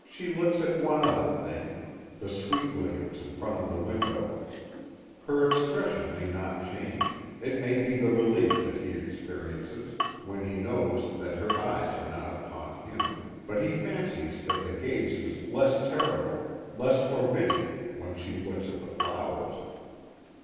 She looks at one other thing the sweet williams in front of the window. Her expression may not change; it may be the relief that he experiences, when he knows that her eyes are not upon him, but he fancies that the gaze is less terrible, less forbidding when she looks at the flowers.